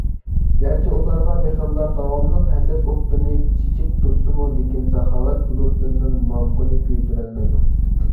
گەرچە ئۇلارغا بېخىللار داۋاملىق ھەسەت ئوتلىرىنى چېچىپ تۇرسىمۇ، لېكىن، ساخاۋەت بۇلۇتلىرىنىڭ مامۇقىنى كۆيدۈرەلمەيدۇ.